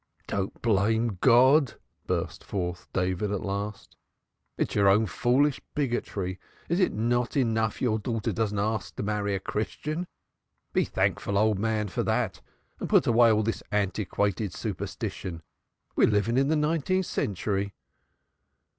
"Don't blame God!" burst forth David at last. "It's your own foolish bigotry. Is it not enough your daughter doesn't ask to marry a Christian? Be thankful, old man, for that and put away all this antiquated superstition. We're living in the nineteenth century."